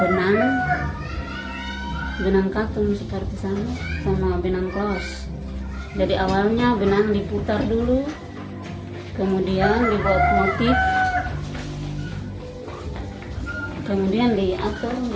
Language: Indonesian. benangnya benang diputar dulu kemudian dibawa ke motif kemudian diatur di pohon belakang kemudian di sini ke sana